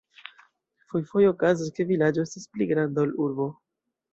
Fojfoje okazas, ke vilaĝo estas pli granda ol urbo.